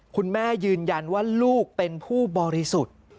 คุณแม่ยืนยันว่าลูกเป็นผู้บริสุทธิ์